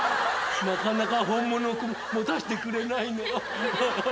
なかなか本物を持たしてくれないの。